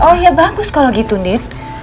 oh ya bagus kalau gitu nit